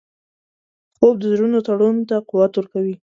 خوب د زړونو تړون ته قوت ورکوي